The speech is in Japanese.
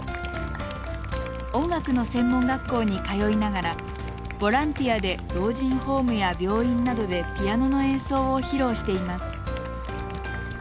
音楽の専門学校に通いながらボランティアで老人ホームや病院などでピアノの演奏を披露しています。